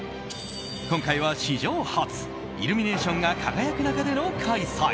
今回は史上初イルミネーションが輝く中で開催。